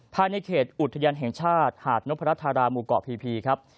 ภายในเขตอุทยานแห่งชาติหาดนพรัชธาราหมู่เกาะพีครับ